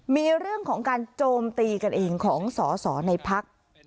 มีเรื่องของการโจมตีกันเองของสอสอในพัก